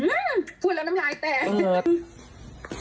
พูดแล้วน้ำลายแตก